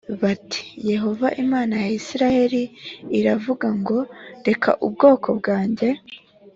bati yehova imana ya isirayeli iravuze ngo reka ubwoko bwanjye